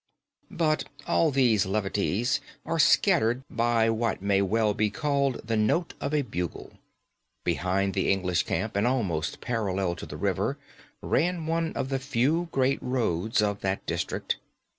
"But all these levities are scattered by what may well be called the note of a bugle. Behind the English camp and almost parallel to the river ran one of the few great roads of that district.